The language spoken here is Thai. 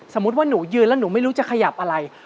สมมุติว่าหนูยืนแล้วหนูไม่รู้จะขยับอะไร